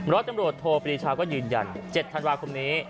ร้อยตำรวจโทปรีชาก็ยืนยัน๗ธันวาคมนี้